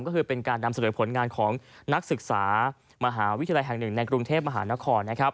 ก็คือเป็นการนำเสนอผลงานของนักศึกษามหาวิทยาลัยแห่งหนึ่งในกรุงเทพมหานคร